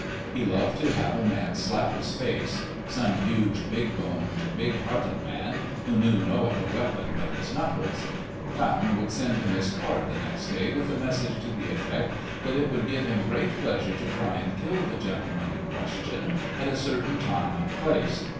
He loved to have a man slap his face—some huge, big boned, big hearted man, who knew no other weapons but his knuckles. Camme would send him his card the next day, with a message to the effect that it would give him great pleasure to try and kill the gentleman in question at a certain time and place.